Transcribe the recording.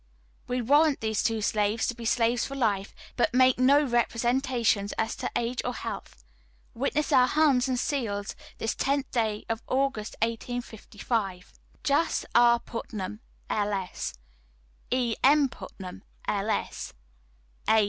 We warrant these two slaves to be slaves for life, but make no representations as to age or health. "Witness our hands and seals, this 10th day of August, 1855. "JAS. R. PUTNAM, [L.S.] "E. M. PUTNAM, [L.S.] "A.